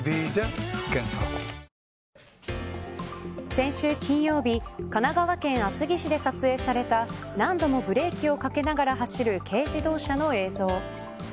先週金曜日神奈川県厚木市で撮影された何度もブレーキをかけながら走る軽自動車の映像。